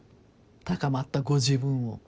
高まったご自分を。